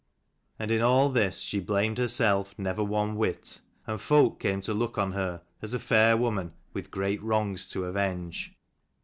And in all this she blamed herself never one whit, and folk came to look on her as a fair woman with great wrongs to avenge.